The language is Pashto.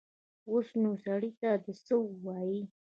اوس نو سړی ده ته څه ووايي.